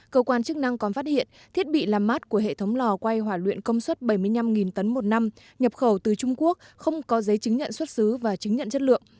cơ quan chức năng còn phát hiện thiết bị làm mát của hệ thống lò quay hỏa luyện công suất bảy mươi năm tấn một năm nhập khẩu từ trung quốc không có giấy chứng nhận xuất xứ và chứng nhận chất lượng